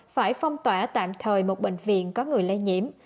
phải phong tỏa tạm thời một bệnh viện có người lây nhiễm